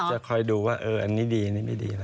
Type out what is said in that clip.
จะคอยดูว่าเอออันนี้ดีอันนี้ไม่ดี